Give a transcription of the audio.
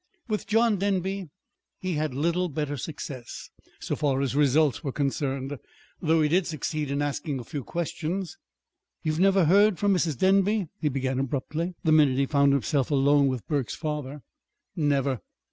With John Denby he had little better success, so far as results were concerned; though he did succeed in asking a few questions. "You have never heard from Mrs. Denby?" he began abruptly, the minute he found himself alone with Burke's father. "Never."